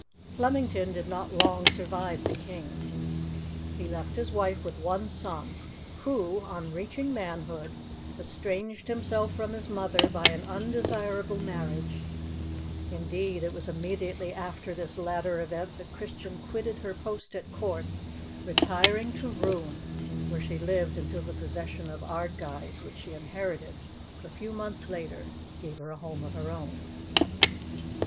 Flemington did not long survive the King. He left his wife with one son, who, on reaching manhood, estranged himself from his mother by an undesirable marriage; indeed, it was immediately after this latter event that Christian quitted her post at Court, retiring to Rouen, where she lived until the possession of Ardguys, which she inherited a few months later, gave her a home of her own.